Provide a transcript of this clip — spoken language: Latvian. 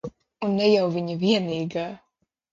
Un ne jau viņa vienīgā.